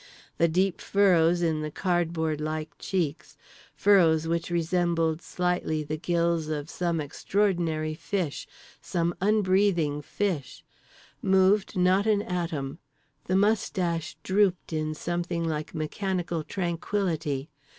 The deep furrows in the cardboardlike cheeks (furrows which resembled slightly the gills of some extraordinary fish, some unbreathing fish) moved not an atom. The moustache drooped in something like mechanical tranquillity.